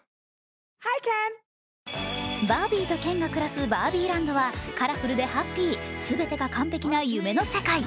バービーとケンがクラスバービーランドはカラフルでハッピー、全てが完璧な夢の世界。